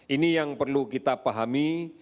ini yang perlu kita pahami